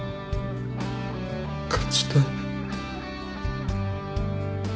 勝ちたい。